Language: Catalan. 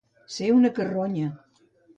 Ser una carronya.